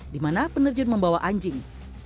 di mana penerjun membawa anjing